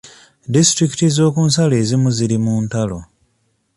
Disitulikiti z'okunsalo ezimu ziri mu ntalo.